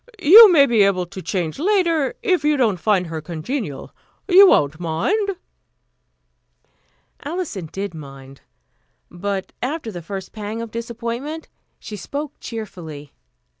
You may be able to change later, if you don't find her congenial. You won't mind?" Alison did mind; but after the first pang of disappointment, she spoke cheerfully.